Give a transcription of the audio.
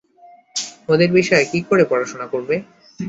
ওদের বিষয়ে কি করে পড়াশোনা করবে?